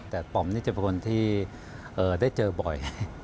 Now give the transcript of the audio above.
แต่ป๋อมนี่จะเป็นคนที่ได้เจอบ่อย